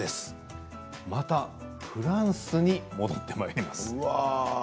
またフランスに戻ってまいります。